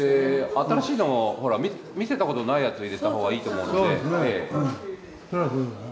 新しいのをほら見せたことないやつを入れた方がいいと思うので。